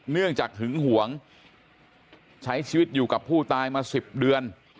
เนื่องจากหึงหวงใช้ชีวิตอยู่กับผู้ตายมา๑๐เดือน